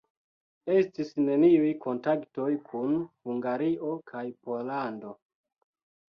Estis neniuj kontaktoj kun Hungario kaj Pollando.